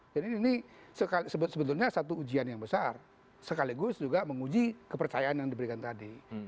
jadi ini sebetulnya satu ujian yang besar sekaligus juga menguji kepercayaan yang diberikan tadi